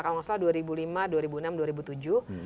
kalau nggak salah dua ribu lima dua ribu enam dua ribu tujuh